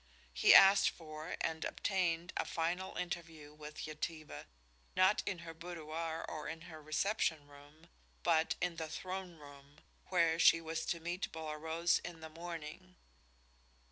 He asked for and obtained a final interview with Yetive, not in her boudoir or her reception room, but in the throne room, where she was to meet Bolaroz in the morning.